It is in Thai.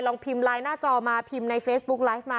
พิมพ์ไลน์หน้าจอมาพิมพ์ในเฟซบุ๊กไลฟ์มา